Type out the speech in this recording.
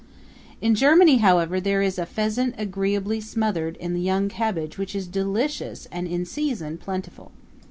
In Germany, however, there is a pheasant agreeably smothered in young cabbage which is delicious and in season plentiful.